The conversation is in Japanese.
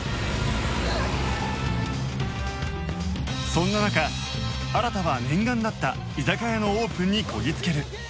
そんな中新は念願だった居酒屋のオープンにこぎ着ける